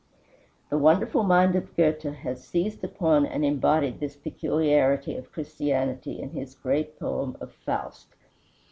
The wonderful mind of Goethe has seized upon and embodied this peculiarity of Christianity in his great poem of "Faust."